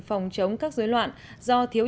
phòng chống các dối loạn do thiếu